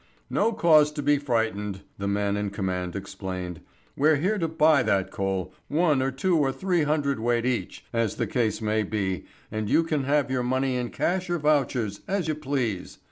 "No cause to be frightened," the man in command explained. "We're here to buy that coal, one or two or three hundredweight each, as the case may be, and you can have your money in cash or vouchers, as you please.